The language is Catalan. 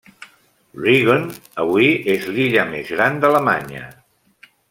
Rügen avui és l'illa més gran d'Alemanya.